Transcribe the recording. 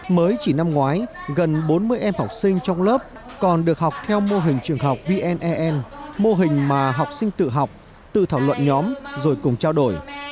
mới chỉ năm ngoái gần bốn mươi em học sinh trong lớp còn được học theo mô hình trường học vne mô hình mà học sinh tự học tự thảo luận nhóm rồi cùng trao đổi